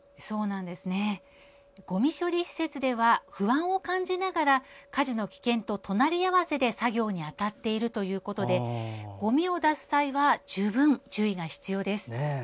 ごみ処理施設では不安を感じながら火事の危険と隣り合わせで作業に当たっているということでごみを出す際は十分注意が必要です。